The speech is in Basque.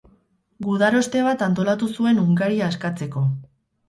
Gudaroste bat antolatu zuen Hungaria askatzeko.